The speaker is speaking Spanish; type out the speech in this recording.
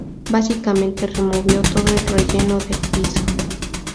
Básicamente removió todo el relleno del piso.